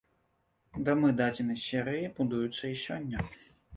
Дамы дадзенай серыі будуюцца і сёння.